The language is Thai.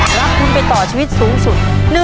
รับทุนไปต่อชีวิตสูงสุด